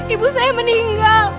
ibu saya meninggal